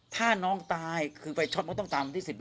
ถ้าน้องตายคือไปช่วงใต้เงินที่๑๑